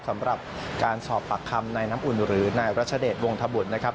สำหรับการสอบปากคำนายน้ำอุ่นหรือนายรัชเดชวงธบุตรนะครับ